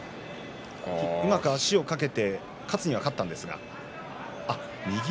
うまく足を掛けて勝つには勝ったんですけれども。